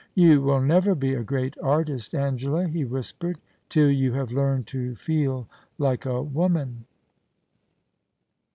' You will never be a great artist, Angela,' he whispered, 'till you have learned to feel like a woman.'